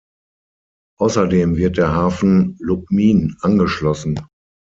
Außerdem wird der Hafen Lubmin angeschlossen.